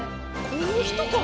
この人か！